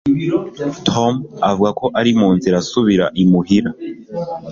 Tom avuga ko ari mu nzira asubira imuhira